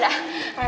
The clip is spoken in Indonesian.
dokternya masih ada